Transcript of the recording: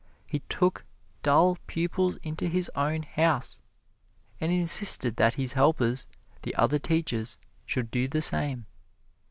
He took dull pupils into his own house, and insisted that his helpers, the other teachers, should do the same.